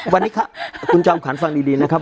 วันนี้ครับคุณจอมขวัญฟังดีนะครับ